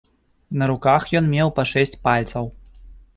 На руках ён меў па шэсць пальцаў.